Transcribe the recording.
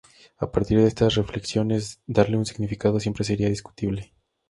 A partir de estas reflexiones darle un significado, siempre sería discutible.